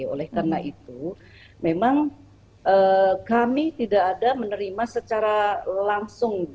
oleh karena itu memang kami tidak ada menerima secara langsung